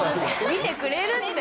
見てくれてるって。